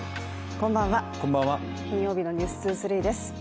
こんばんは、金曜日の「ｎｅｗｓ２３」です。